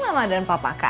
nah itu mama dan papa kamu